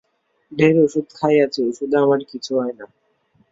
ঢের ওষুধ খাইয়াছি, ওষুধে আমার কিছু হয় না।